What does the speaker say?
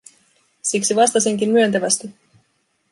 Siksi vastasinkin myöntävästi: